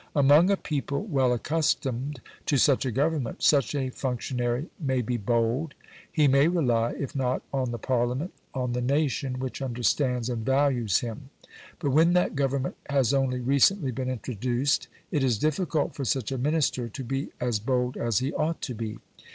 Among a people well accustomed to such a Government, such a functionary may be bold: he may rely, if not on the Parliament, on the nation which understands and values him. But when that Government has only recently been introduced, it is difficult for such a Minister to be as bold as he ought to be.